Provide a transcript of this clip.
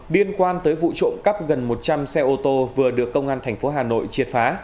điên quan tới vụ trộm cắp gần một trăm linh xe ô tô vừa được công an thành phố hà nội triệt phá